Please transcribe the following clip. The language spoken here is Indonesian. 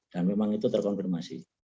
dan memang itu terkonfirmasi